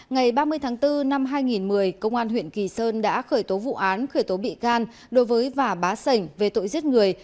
ngày ba mươi tháng bốn năm hai nghìn một mươi công an huyện kỳ sơn đã khởi tố vụ án khởi tố bị can đối với vả bá sảnh về tội giết người